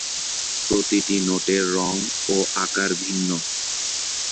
প্রতিটি নোটের রং ও আকার ভিন্ন।